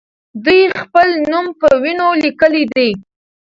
دوی خپل نوم په وینو لیکلی دی.